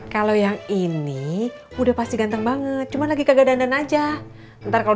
kalau yang ini udah pasti ganteng banget cuma lagi kagak dandan aja ntar kalau